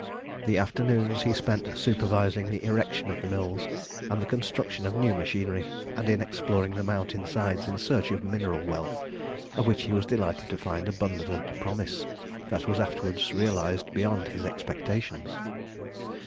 The afternoons he spent supervising the erection of the mills, and the construction of new machinery, and in exploring the mountain sides in search of mineral wealth, of which he was delighted to find abundant promise that was afterwards realised beyond his expectations.